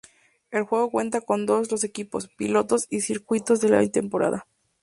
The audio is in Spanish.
El juego cuenta con todos los equipos, pilotos y circuitos de la temporada.